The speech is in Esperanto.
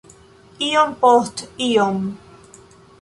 Iom post iom.